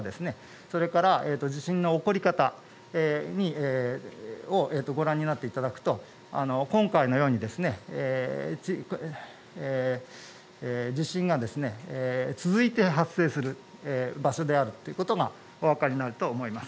それから、地震の起こり方をご覧になっていただくと今回のようにですね地震が続いて発生する場所であるということがお分かりになると思います。